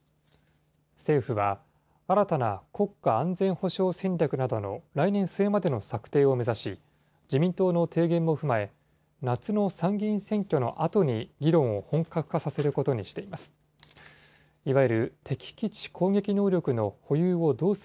政府は、新たな国家安全保障戦略などの来年末までの策定を目指し、自民党の提言も踏まえ、夏の参議院選挙のあとに議論を本格化させることにしています。